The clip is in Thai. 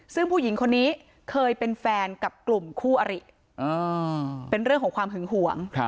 ซึ่งผู้หญิงคนนี้เคยเป็นแฟนกับกลุ่มคู่อริเป็นเรื่องของความหึงหวง